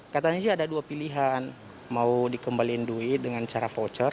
katanya sih ada dua pilihan mau dikembaliin duit dengan cara voucher